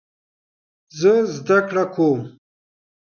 زه زده کړه کوم